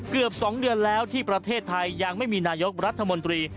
เกือบ๒เดือนแล้วที่ประเทศไทยยังไม่มีนายกรัฐมนตรี